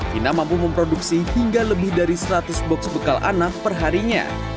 fina mampu memproduksi hingga lebih dari seratus box bekal anak perharinya